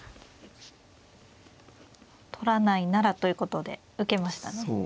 取らないならということで受けましたね。